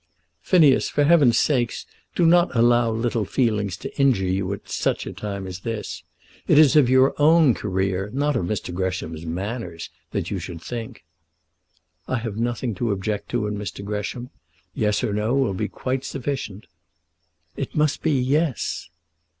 "Phineas, for Heaven's sake do not allow little feelings to injure you at such a time as this. It is of your own career, not of Mr. Gresham's manners, that you should think." "I have nothing to object to in Mr. Gresham. Yes or No will be quite sufficient." "It must be Yes."